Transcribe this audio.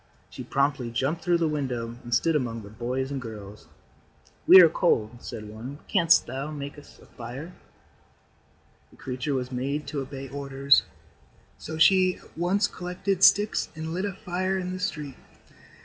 She promptly jumped through the window and stood among the boys and girls. "We are cold," said one. "Canst thou make a fire for us?" The creature was made to obey orders, so she at once collected sticks and lit a fire in the street.